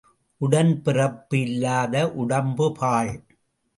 உடன் பிறப்பு இல்லாத உடம்பு பாழ்.